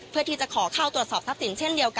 เพื่อที่จะขอเข้าตรวจสอบทรัพย์สินเช่นเดียวกัน